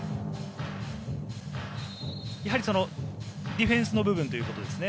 やはりディフェンスの部分ということですね。